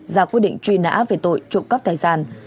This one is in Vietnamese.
ra quyết định truy nã về tội trộm cắp tài sản